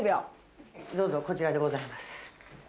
どうぞこちらでございます。